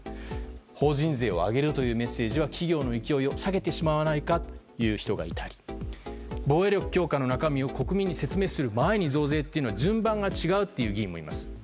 法人税を上げるというメッセージは企業への勢いを下げないかということや防衛力強化の中身を国民に説明する前に増税というのは順番が違うという議員もいます。